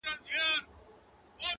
تا چي پر لمانځه له ياده وباسم؛